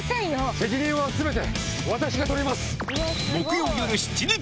責任は全て私が取ります。